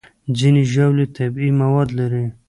ځینې ژاولې طبیعي مواد لري.